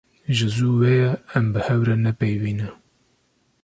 Ji zû ve ye em bi hev re nepeyivîne.